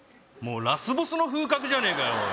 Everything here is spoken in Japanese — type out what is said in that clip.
もうラスボスの風格じゃねえかよ